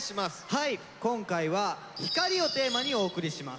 はい今回は「ＨＩＫＡＲＩ」をテーマにお送りします。